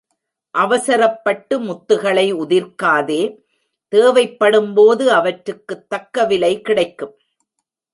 அவசரப்பட்டு முத்துகளை உதிர்க்காதே தேவைப்படும் போது அவற்றுக்குத் தக்க விலை கிடைக்கும்.